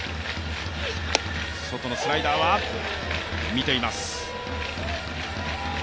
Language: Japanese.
外のスライダーは見ています。